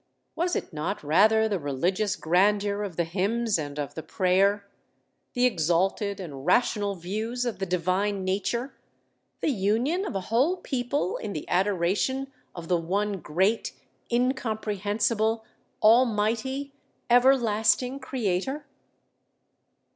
Was it not rather the religious grandeur of the hymns and of the prayer: the exalted and rational views of the Divine Nature, the union of a whole people in the adoration of the one Great, Incomprehensible, Almighty, Everlasting Creator?